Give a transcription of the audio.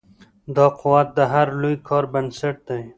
دا قوت د هر لوی کار بنسټ دی.